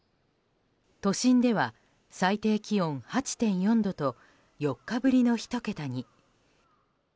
都心では最低気温８．４度と４日ぶりの１桁に。